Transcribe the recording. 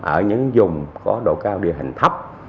ở những vùng có độ cao địa hình thấp